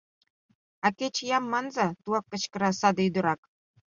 — А кеч иям манза! — тугак кычкыра саде ӱдырак.